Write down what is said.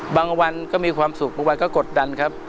บางวันก็มีความสุขบางวันก็กดดันครับ